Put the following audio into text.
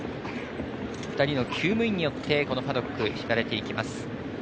２人のきゅう務員によってパドック、引かれていきます。